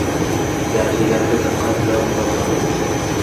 Yaxshi gapga diqqat bilan quloq soling;